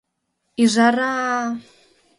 — Ӱжара!